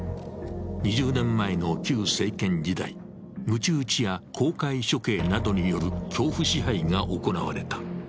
２０年前の旧政権時代、むち打ちや公開処刑などによる恐怖支配が行われた。